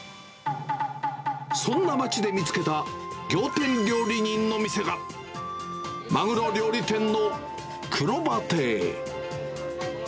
そんな街で見つけた、仰天料理人の店が、マグロ料理店のくろば亭。